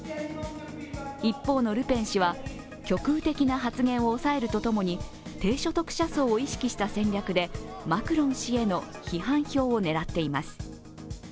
一方のルペン氏は、極右的な発言を抑えるとともに低所得者層を意識した戦略でマクロン氏への批判票を狙っています。